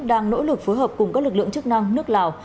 đang nỗ lực phối hợp cùng các lực lượng chức năng nước lào